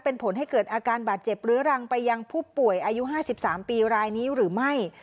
เป็นผลให้เกิดอาการบาดเจ็บเรื้อรังไปยังผู้ป่วยอายุ๕๓ปีรายนี้หรือไม่